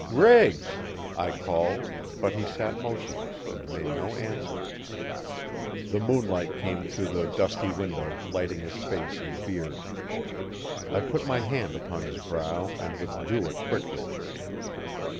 'Riggs!' I called but he sat motionless and made no answer. The moonlight came through the dusty window lighting his face and beard. I put my hand upon his brow and withdrew it quickly.